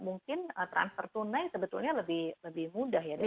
mungkin transfer tunai sebetulnya lebih mudah ya